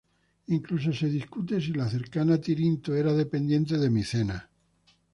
Incluso se discute si la cercana Tirinto era dependiente de Micenas.